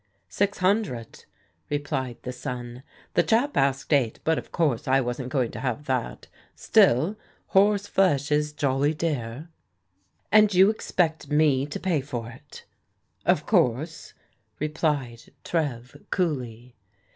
" "Six hundred," replied the son. "The chap asked eight, but, of course, I wasn't going to have that Still, horse flesh is jolly dear." " And you expect me to pay for it? " "Of course," replied Trev coolly.